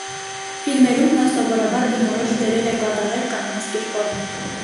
Ֆիլմերում նա սովորաբար բնորոշ դերեր է կատարել կանանց կերպարում։